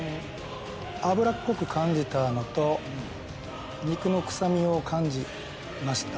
脂っこく感じたのと肉の臭みを感じました。